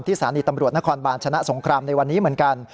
สถานีตำรวจนครบาลชนะสงครามในวันนี้เหมือนกัน